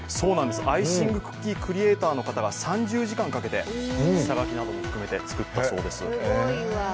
アイシングクッキークリエイターの方が下書きなども含めて作ったそうです。